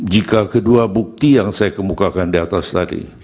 jika kedua bukti yang saya kemukakan di atas tadi